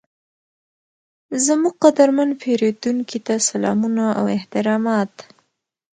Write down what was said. زموږ قدرمن پیرودونکي ته سلامونه او احترامات،